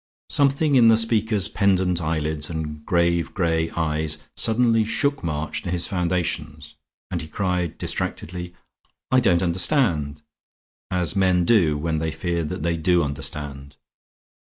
Something in the speaker's pendent eyelids and grave gray eyes suddenly shook March to his foundations; and he cried, distractedly, "I don't understand!" as men do when they fear that they do understand.